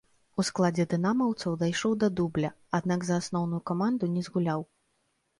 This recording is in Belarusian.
У складзе дынамаўцаў дайшоў да дубля, аднак за асноўную каманду не згуляў.